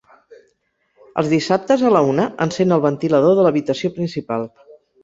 Els dissabtes a la una encèn el ventilador de l'habitació principal.